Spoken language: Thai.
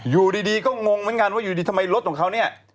อยู่ดีก็งงเหมือนกันว่าอยู่ดีทำไมรถของเขาเนี่ย